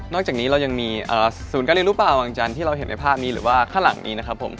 จากนี้เรายังมีศูนย์การเรียนรู้ป่าวังจันทร์ที่เราเห็นในภาพนี้หรือว่าข้างหลังนี้นะครับผม